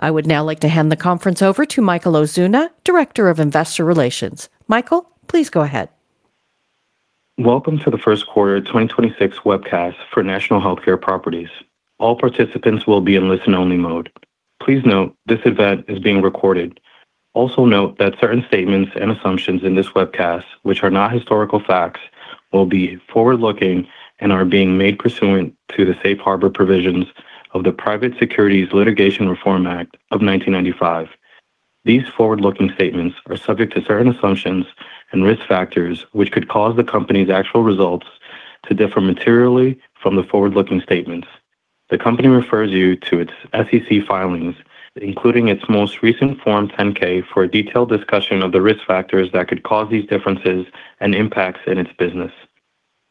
I would now like to hand the conference over to Michael Ozuna, Director of Investor Relations. Michael, please go ahead. Welcome to the first quarter 2026 webcast for National Healthcare Properties. All participants will be in listen-only mode. Please note this event is being recorded. Also note that certain statements and assumptions in this webcast, which are not historical facts, will be forward-looking and are being made pursuant to the Safe Harbor provisions of the Private Securities Litigation Reform Act of 1995. These forward-looking statements are subject to certain assumptions and risk factors, which could cause the company's actual results to differ materially from the forward-looking statements. The company refers you to its SEC filings, including its most recent Form 10-K, for a detailed discussion of the risk factors that could cause these differences and impacts in its business.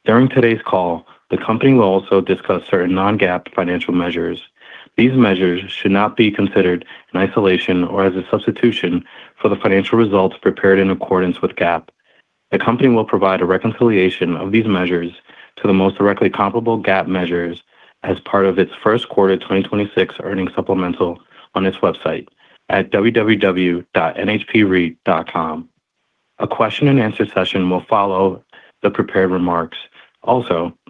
During today's call, the company will also discuss certain non-GAAP financial measures. These measures should not be considered in isolation or as a substitution for the financial results prepared in accordance with GAAP. The company will provide a reconciliation of these measures to the most directly comparable GAAP measures as part of its first quarter 2026 earnings supplemental on its website at www.nhpreit.com. A question-and-answer session will follow the prepared remarks.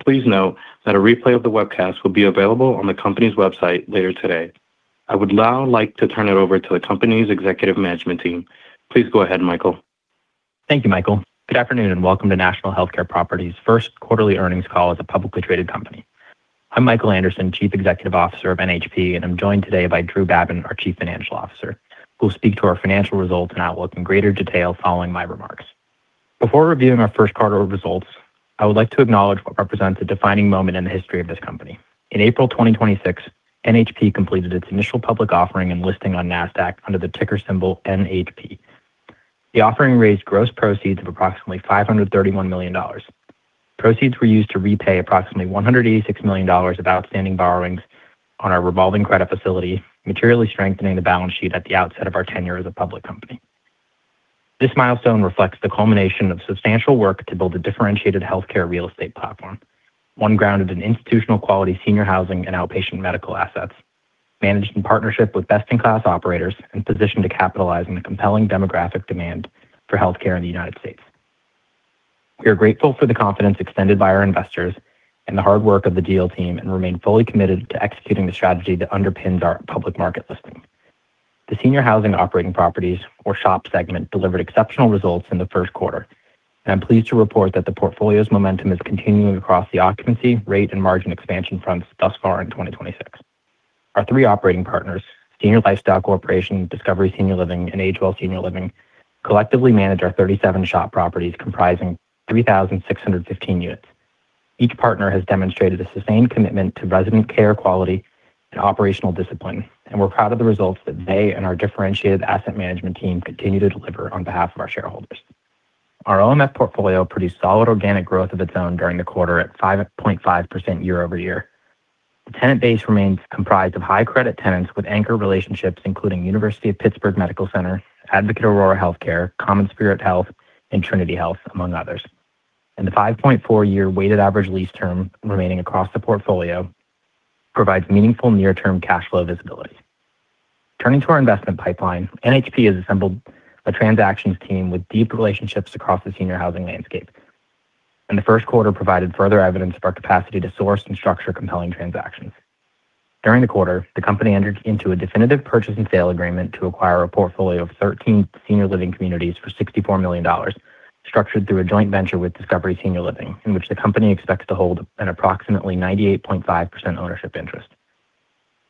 Please note that a replay of the webcast will be available on the company's website later today. I would now like to turn it over to the company's executive management team. Please go ahead, Michael. Thank you, Michael. Good afternoon, and welcome to National Healthcare Properties' first quarterly earnings call as a publicly traded company. I'm Michael Anderson, Chief Executive Officer of NHP, and I'm joined today by Andrew Babin, our Chief Financial Officer, who will speak to our financial results and outlook in greater detail following my remarks. Before reviewing our first quarter results, I would like to acknowledge what represents a defining moment in the history of this company. In April 2026, NHP completed its initial public offering and listing on Nasdaq under the ticker symbol NHP. The offering raised gross proceeds of approximately $531 million. Proceeds were used to repay approximately $186 million of outstanding borrowings on our revolving credit facility, materially strengthening the balance sheet at the outset of our tenure as a public company. This milestone reflects the culmination of substantial work to build a differentiated healthcare real estate platform, one grounded in institutional-quality senior housing and outpatient medical assets, managed in partnership with best-in-class operators and positioned to capitalize on the compelling demographic demand for healthcare in the United States. We are grateful for the confidence extended by our investors and the hard work of the deal team and remain fully committed to executing the strategy that underpins our public market listing. The senior housing operating properties, or SHOP segment, delivered exceptional results in the first quarter, and I'm pleased to report that the portfolio's momentum is continuing across the occupancy, rate, and margin expansion fronts thus far in 2026. Our three operating partners, Senior Lifestyle Corporation, Discovery Senior Living, and AgeWell Senior Living, collectively manage our 37 SHOP properties comprising 3,615 units. Each partner has demonstrated a sustained commitment to resident care quality and operational discipline, we're proud of the results that they and our differentiated asset management team continue to deliver on behalf of our shareholders. Our OMF portfolio produced solid organic growth of its own during the quarter at 5.5% year-over-year. The tenant base remains comprised of high-credit tenants with anchor relationships, including University of Pittsburgh Medical Center, Advocate Aurora Health, CommonSpirit Health, and Trinity Health, among others. The 5.4-year weighted average lease term remaining across the portfolio provides meaningful near-term cash flow visibility. Turning to our investment pipeline, NHP has assembled a transactions team with deep relationships across the senior housing landscape, and the first quarter provided further evidence of our capacity to source and structure compelling transactions. During the quarter, the company entered into a definitive purchase and sale agreement to acquire a portfolio of 13 senior living communities for $64 million, structured through a joint venture with Discovery Senior Living, in which the company expects to hold an approximately 98.5% ownership interest.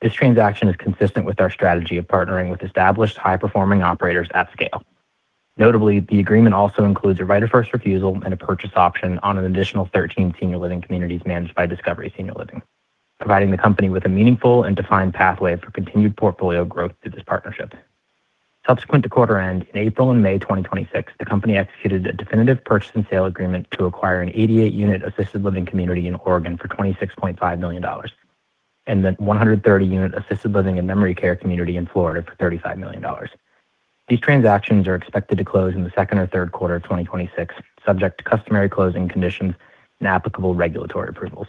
This transaction is consistent with our strategy of partnering with established high-performing operators at scale. Notably, the agreement also includes a right of first refusal and a purchase option on an additional 13 senior living communities managed by Discovery Senior Living, providing the company with a meaningful and defined pathway for continued portfolio growth through this partnership. Subsequent to quarter end, in April and May 2026, the company executed a definitive purchase and sale agreement to acquire an 88-unit assisted living community in Oregon for $26.5 million, and then a 130-unit assisted living and memory care community in Florida for $35 million. These transactions are expected to close in the second or third quarter of 2026, subject to customary closing conditions and applicable regulatory approvals.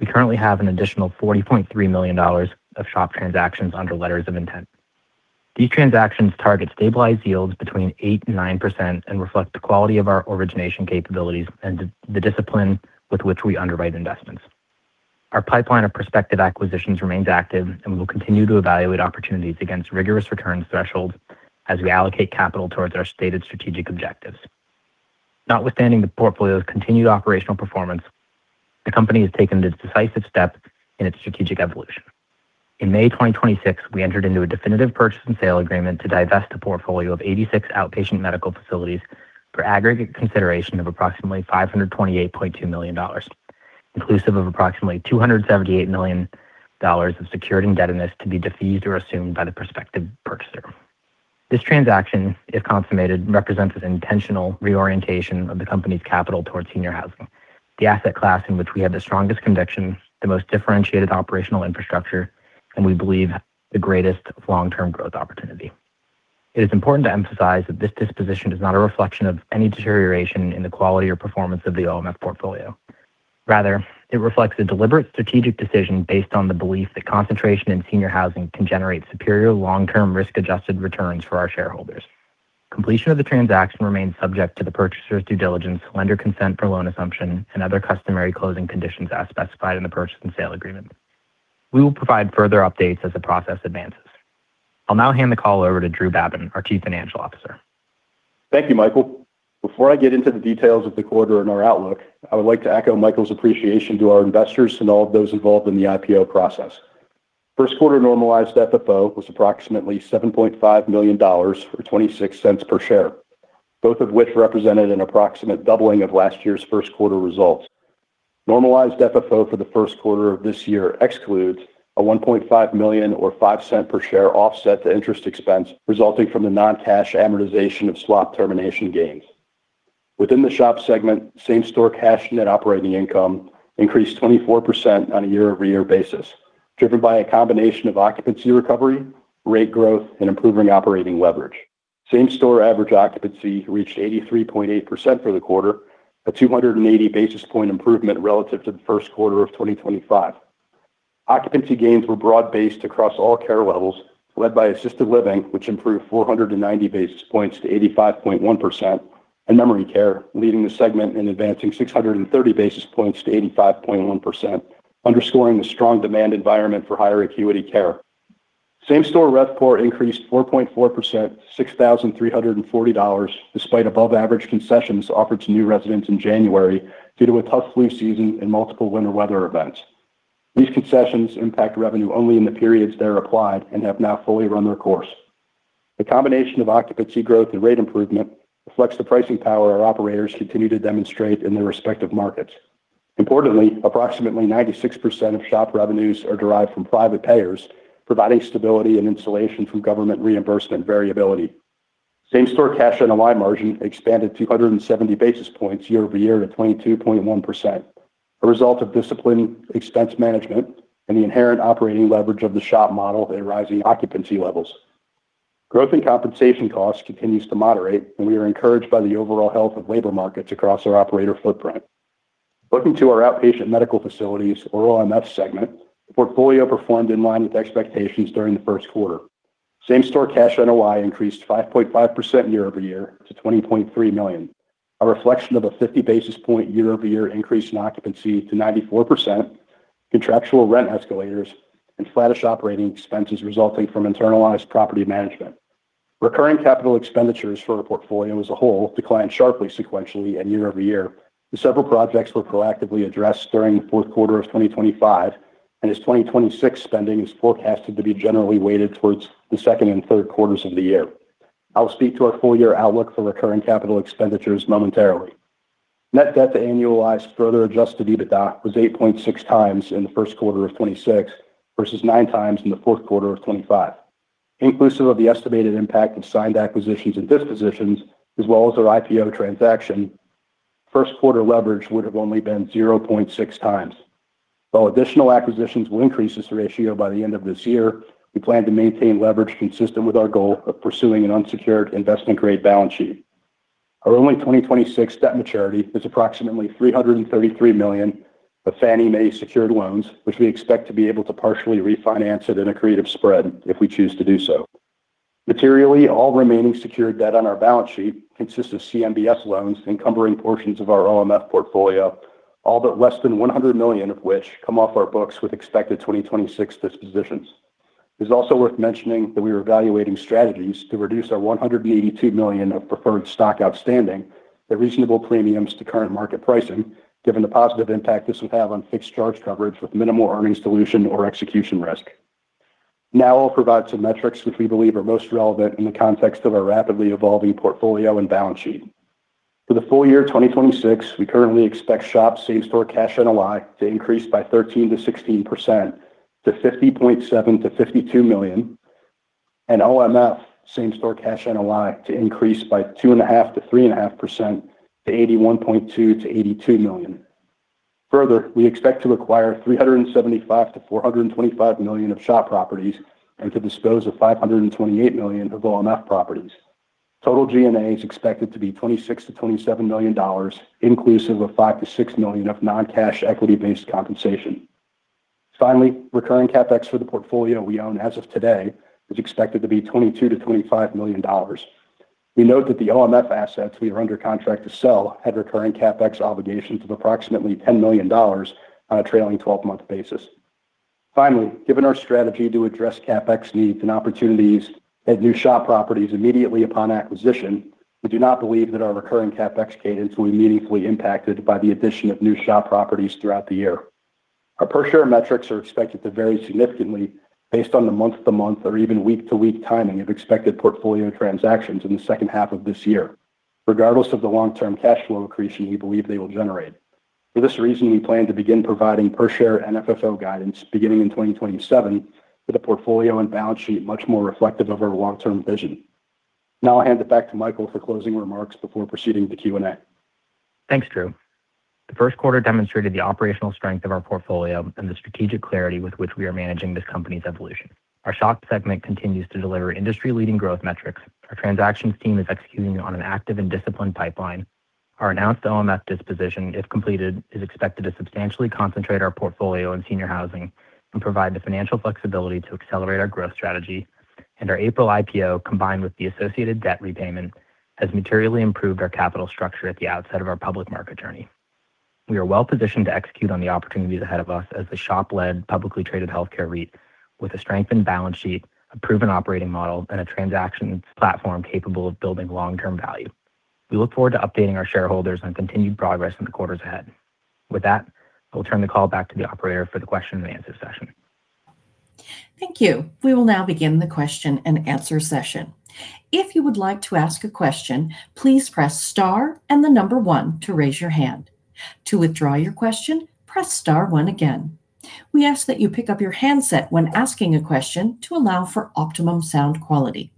We currently have an additional $40.3 million of SHOP transactions under letters of intent. These transactions target stabilized yields between 8% and 9% and reflect the quality of our origination capabilities and the discipline with which we underwrite investments. Our pipeline of prospective acquisitions remains active. We will continue to evaluate opportunities against rigorous returns thresholds as we allocate capital towards our stated strategic objectives. Notwithstanding the portfolio's continued operational performance, the company has taken a decisive step in its strategic evolution. In May 2026, we entered into a definitive purchase and sale agreement to divest a portfolio of 86 outpatient medical facilities for aggregate consideration of approximately $528.2 million, inclusive of approximately $278 million of secured indebtedness to be defeased or assumed by the prospective purchaser. This transaction, if consummated, represents an intentional reorientation of the company's capital towards senior housing, the asset class in which we have the strongest conviction, the most differentiated operational infrastructure, and we believe the greatest long-term growth opportunity. It is important to emphasize that this disposition is not a reflection of any deterioration in the quality or performance of the OMF portfolio. Rather, it reflects a deliberate strategic decision based on the belief that concentration in senior housing can generate superior long-term risk-adjusted returns for our shareholders. Completion of the transaction remains subject to the purchaser's due diligence, lender consent for loan assumption, and other customary closing conditions as specified in the purchase and sale agreement. We will provide further updates as the process advances. I'll now hand the call over to Drew Babin, our Chief Financial Officer. Thank you, Michael. Before I get into the details of the quarter and our outlook, I would like to echo Michael's appreciation to our investors and all of those involved in the IPO process. First quarter normalized FFO was approximately $7.5 million or $0.26 per share, both of which represented an approximate doubling of last year's first quarter results. Normalized FFO for the first quarter of this year excludes a $1.5 million or $0.05 per share offset to interest expense resulting from the non-cash amortization of swap termination gains. Within the SHOP segment, same-store cash net operating income increased 24% on a year-over-year basis, driven by a combination of occupancy recovery, rate growth, and improving operating leverage. Same-store average occupancy reached 83.8% for the quarter, a 280 basis point improvement relative to the first quarter of 2025. Occupancy gains were broad-based across all care levels, led by assisted living, which improved 490 basis points to 85.1%, and memory care, leading the segment in advancing 630 basis points to 85.1%, underscoring the strong demand environment for higher acuity care. Same-store RevPOR increased 4.4% to $6,340 despite above-average concessions offered to new residents in January due to a tough flu season and multiple winter weather events. These concessions impact revenue only in the periods they are applied and have now fully run their course. The combination of occupancy growth and rate improvement reflects the pricing power our operators continue to demonstrate in their respective markets. Importantly, approximately 96% of SHOP revenues are derived from private payers, providing stability and insulation from government reimbursement variability. Same-store cash NOI margin expanded 270 basis points year-over-year to 22.1%, a result of disciplined expense management and the inherent operating leverage of the SHOP model at rising occupancy levels. Growth in compensation costs continues to moderate. We are encouraged by the overall health of labor markets across our operator footprint. Looking to our outpatient medical facilities, or OMF segment, the portfolio performed in line with expectations during the first quarter. Same-store cash NOI increased 5.5% year-over-year to $20.3 million, a reflection of a 50 basis point year-over-year increase in occupancy to 94%, contractual rent escalators, and flattish operating expenses resulting from internalized property management. Recurring capital expenditures for our portfolio as a whole declined sharply sequentially and year-over-year, as several projects were proactively addressed during the fourth quarter of 2025, and as 2026 spending is forecasted to be generally weighted towards the second and third quarters of the year. I'll speak to our full-year outlook for recurring capital expenditures momentarily. Net debt to annualized pro-rated adjusted EBITDA was 8.6 times in the first quarter of 2026 versus 9 times in the fourth quarter of 2025. Inclusive of the estimated impact of signed acquisitions and dispositions, as well as our IPO transaction, first quarter leverage would have only been 0.6 times. Additional acquisitions will increase this ratio by the end of this year, we plan to maintain leverage consistent with our goal of pursuing an unsecured investment-grade balance sheet. Our only 2026 debt maturity is approximately $333 million of Fannie Mae secured loans, which we expect to be able to partially refinance it in an accretive spread if we choose to do so. Materially, all remaining secured debt on our balance sheet consists of CMBS loans encumbering portions of our OMF portfolio, all but less than $100 million of which come off our books with expected 2026 dispositions. It is also worth mentioning that we are evaluating strategies to reduce our $182 million of preferred stock outstanding at reasonable premiums to current market pricing, given the positive impact this would have on fixed charge coverage with minimal earnings dilution or execution risk. I'll provide some metrics which we believe are most relevant in the context of our rapidly evolving portfolio and balance sheet. For the full year 2026, we currently expect SHOP same-store cash NOI to increase by 13%-16% to $50.7 million-$52 million, and OMF same-store cash NOI to increase by 2.5%-3.5% to $81.2 million-$82 million. We expect to acquire $375 million-$425 million of SHOP properties and to dispose of $528 million of OMF properties. Total G&A is expected to be $26 million-$27 million, inclusive of $5 million-$6 million of non-cash equity-based compensation. Recurring CapEx for the portfolio we own as of today is expected to be $22 million-$25 million. We note that the OMF assets we are under contract to sell had recurring CapEx obligations of approximately $10 million on a trailing 12-month basis. Given our strategy to address CapEx needs and opportunities at new SHOP properties immediately upon acquisition, we do not believe that our recurring CapEx cadence will be meaningfully impacted by the addition of new SHOP properties throughout the year. Our per-share metrics are expected to vary significantly based on the month-to-month or even week-to-week timing of expected portfolio transactions in the second half of this year, regardless of the long-term cash flow accretion we believe they will generate. For this reason, we plan to begin providing per-share and FFO guidance beginning in 2027 with a portfolio and balance sheet much more reflective of our long-term vision. Now I'll hand it back to Michael for closing remarks before proceeding to Q&A. Thanks, Drew. The first quarter demonstrated the operational strength of our portfolio and the strategic clarity with which we are managing this company's evolution. Our SHOP segment continues to deliver industry-leading growth metrics. Our transactions team is executing on an active and disciplined pipeline. Our announced OMF disposition, if completed, is expected to substantially concentrate our portfolio in senior housing and provide the financial flexibility to accelerate our growth strategy. Our April IPO, combined with the associated debt repayment, has materially improved our capital structure at the outset of our public market journey. We are well-positioned to execute on the opportunities ahead of us as the SHOP-led, publicly traded healthcare REIT with a strengthened balance sheet, a proven operating model, and a transactions platform capable of building long-term value. We look forward to updating our shareholders on continued progress in the quarters ahead. With that, I will turn the call back to the operator for the question and answer session. Thank you. We will now begin the question and answer session. If you would like to ask a question, please press star 1 to raise your hand. To withdraw your question, press star 1 again. We ask that you pick up your handset when asking a question to allow for optimum sound quality.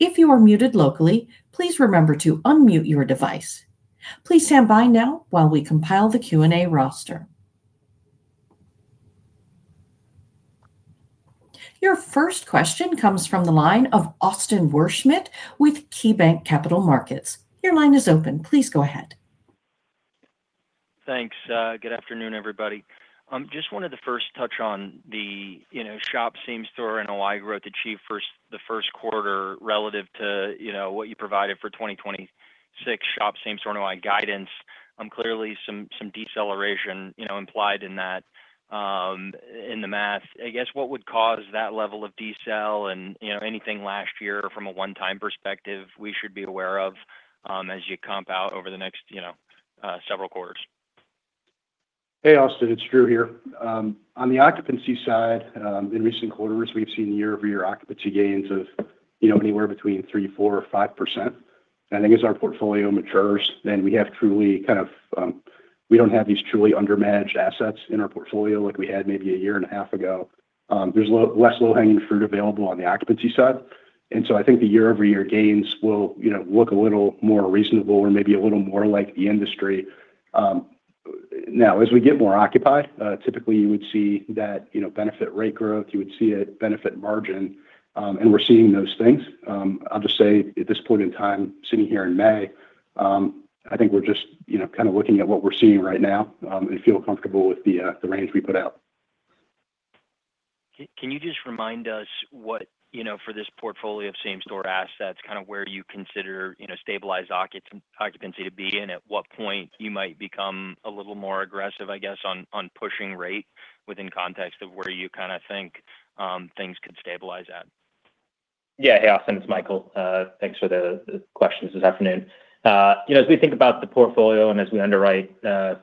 If you are muted locally, please remember to unmute your device. Please stand by now while we compile the Q&A roster. Your first question comes from the line of Austin Wurschmidt with KeyBanc Capital Markets. Your line is open. Please go ahead. Thanks. Good afternoon, everybody. Just wanted to first touch on the, you know, SHOP same-store NOI growth achieved the first quarter relative to, you know, what you provided for 2026 SHOP same-store NOI guidance. Clearly some deceleration, you know, implied in that, in the math. I guess, what would cause that level of decel and, you know, anything last year from a one-time perspective we should be aware of, as you comp out over the next, you know, several quarters? Hey, Austin, it's Drew here. On the occupancy side, in recent quarters, we've seen year-over-year occupancy gains of, you know, anywhere between 3%, 4%, or 5%. I think as our portfolio matures, we don't have these truly undermanaged assets in our portfolio like we had maybe a year and a half ago. There's less low-hanging fruit available on the occupancy side. I think the year-over-year gains will, you know, look a little more reasonable or maybe a little more like the industry. Now, as we get more occupied, typically you would see that, you know, benefit rate growth, you would see it benefit margin, we're seeing those things. I'll just say at this point in time, sitting here in May, I think we're just, you know, kind of looking at what we're seeing right now, and feel comfortable with the range we put out. Can you just remind us what, you know, for this portfolio of same-store assets, kind of where you consider, you know, stabilized occupancy to be and at what point you might become a little more aggressive, I guess, on pushing rate within context of where you kind of think things could stabilize at? Yeah. Hey, Austin, it's Michael. Thanks for the questions this afternoon. You know, as we think about the portfolio and as we underwrite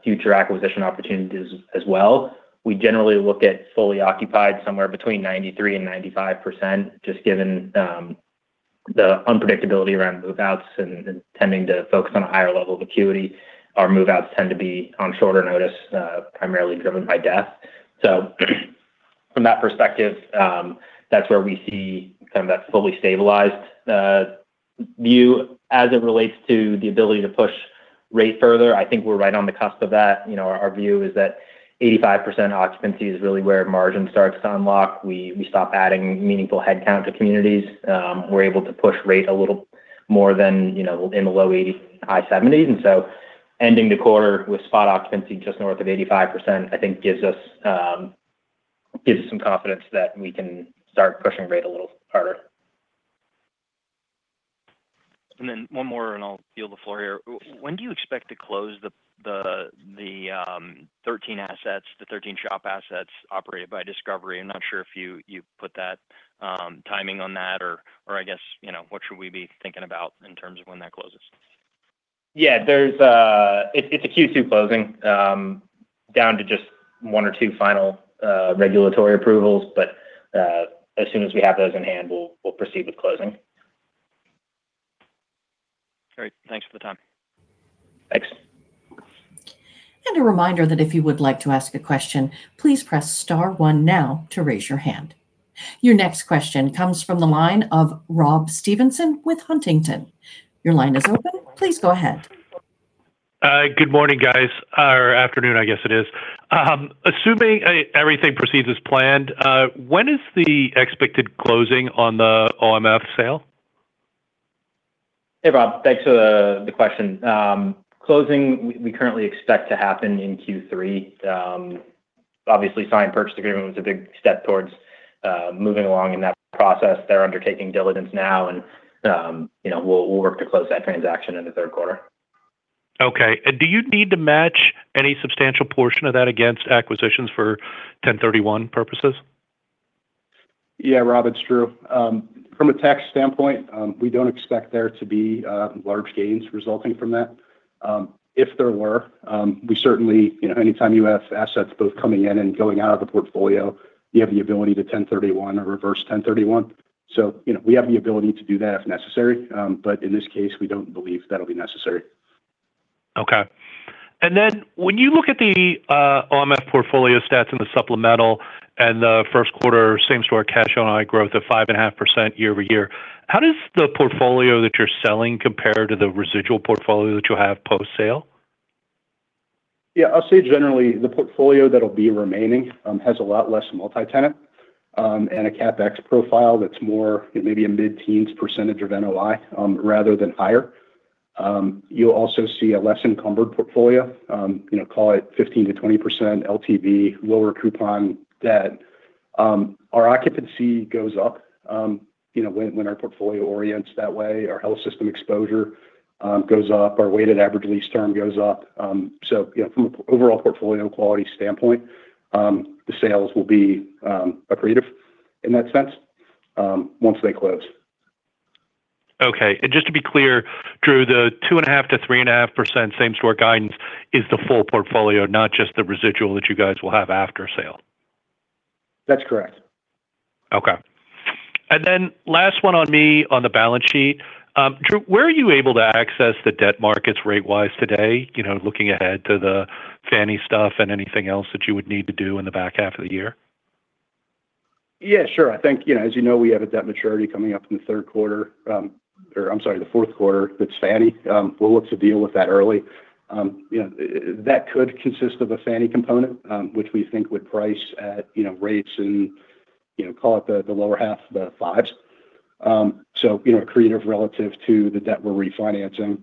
future acquisition opportunities as well, we generally look at fully occupied somewhere between 93% and 95%, just given the unpredictability around move-outs and tending to focus on a higher level of acuity. Our move-outs tend to be on shorter notice, primarily driven by death. From that perspective, that's where we see kind of that fully stabilized view. As it relates to the ability to push rate further, I think we're right on the cusp of that. You know, our view is that 85% occupancy is really where margin starts to unlock. We stop adding meaningful headcount to communities. We're able to push rate a little more than, you know, in the low 80s, high 70s. Ending the quarter with spot occupancy just north of 85%, I think gives us, gives us some confidence that we can start pushing rate a little harder. One more and I'll yield the floor here. When do you expect to close the 13 assets, the 13 SHOP assets operated by Discovery? I'm not sure if you put that timing on that or I guess, you know, what should we be thinking about in terms of when that closes? Yeah. It's a Q2 closing, down to just one or two final regulatory approvals. As soon as we have those in hand, we'll proceed with closing. Great. Thanks for the time. Thanks. A reminder that if you would like to ask a question, please press star 1 now to raise your hand. Your next question comes from the line of Rob Stevenson with Huntington. Your line is open. Please go ahead. Good morning, guys, or afternoon, I guess it is. Assuming everything proceeds as planned, when is the expected closing on the OMF sale? Hey, Rob. Thanks for the question. Closing we currently expect to happen in Q3. Obviously signed purchase agreement was a big step towards moving along in that process. They're undertaking diligence now and, you know, we'll work to close that transaction in the third quarter. Okay. Do you need to match any substantial portion of that against acquisitions for 1031 purposes? Yeah, Rob, it's Andrew Babin. From a tax standpoint, we don't expect there to be large gains resulting from that. If there were, we certainly, you know, any time you have assets both coming in and going out of the portfolio, you have the ability to 1031 or reverse 1031. You know, we have the ability to do that if necessary. In this case, we don't believe that'll be necessary. Okay. When you look at the OMF portfolio stats in the supplemental and the first quarter same-store cash NOI growth of 5.5% year-over-year. How does the portfolio that you're selling compare to the residual portfolio that you have post-sale? I'll say generally the portfolio that'll be remaining has a lot less multi-tenant and a CapEx profile that's more maybe a mid-teens percentage of NOI rather than higher. You'll also see a less encumbered portfolio. You know, call it 15%-20% LTV, lower coupon debt. Our occupancy goes up, you know, when our portfolio orients that way. Our health system exposure goes up. Our weighted average lease term goes up. You know, from a overall portfolio quality standpoint, the sales will be accretive in that sense once they close. Okay. just to be clear, Andrew Babin, the 2.5%-3.5% same-store guidance is the full portfolio, not just the residual that you guys will have after sale? That's correct. Okay. Last one on me on the balance sheet. Andrew, where are you able to access the debt markets rate-wise today, you know, looking ahead to the Fannie stuff and anything else that you would need to do in the back half of the year? Yeah, sure. I think, you know, as you know, we have a debt maturity coming up in the third quarter, or I'm sorry, the 4th quarter, that's Fannie. We'll look to deal with that early. You know, that could consist of a Fannie component, which we think would price at, you know, rates in, you know, call it the lower half of the 5s. You know, accretive relative to the debt we're refinancing.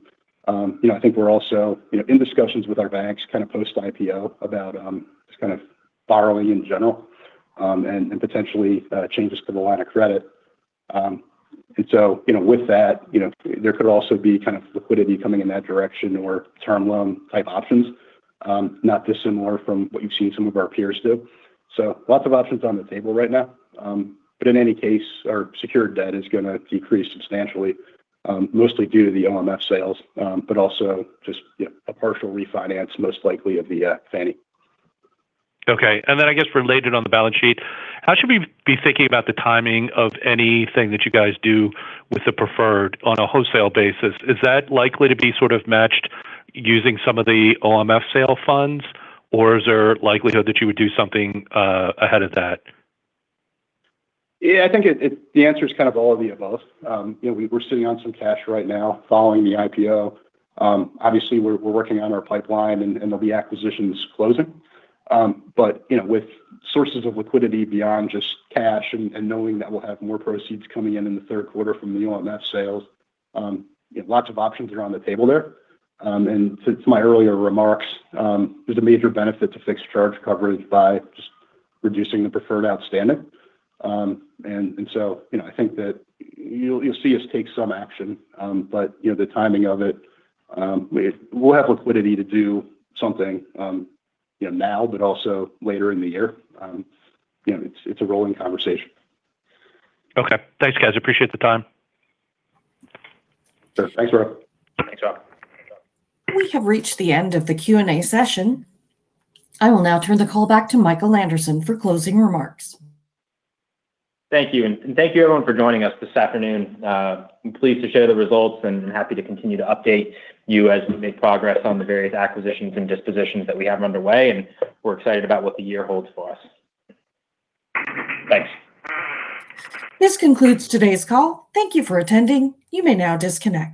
You know, I think we're also, you know, in discussions with our banks kind of post-IPO about, just kind of borrowing in general, and potentially changes to the line of credit. You know, with that, you know, there could also be kind of liquidity coming in that direction or term loan type options, not dissimilar from what you've seen some of our peers do. Lots of options on the table right now. In any case, our secured debt is gonna decrease substantially, mostly due to the OMF sales, but also just, you know, a partial refinance most likely of the Fannie. Okay. I guess related on the balance sheet, how should we be thinking about the timing of anything that you guys do with the preferred on a wholesale basis? Is that likely to be sort of matched using some of the OMF sale funds, or is there likelihood that you would do something ahead of that? I think the answer is kind of all of the above. You know, we're sitting on some cash right now following the IPO. Obviously we're working on our pipeline and there'll be acquisitions closing. You know, with sources of liquidity beyond just cash and knowing that we'll have more proceeds coming in in the third quarter from the OMF sales, lots of options are on the table there. To my earlier remarks, there's a major benefit to fixed charge coverage by just reducing the preferred outstanding. You know, I think that you'll see us take some action. You know, the timing of it, we'll have liquidity to do something, you know, now, also later in the year. You know, it's a rolling conversation. Okay. Thanks, guys. Appreciate the time. Sure. Thanks, Rob. Thanks, y'all. We have reached the end of the Q&A session. I will now turn the call back to Michael Anderson for closing remarks. Thank you. Thank you everyone for joining us this afternoon. I'm pleased to share the results, and happy to continue to update you as we make progress on the various acquisitions and dispositions that we have underway, and we're excited about what the year holds for us. Thanks. This concludes today's call. Thank you for attending. You may now disconnect.